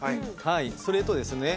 それとですね